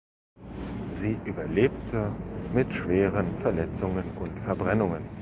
Sie überlebte mit schweren Verletzungen und Verbrennungen.